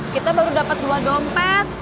kita baru dapat dua dompet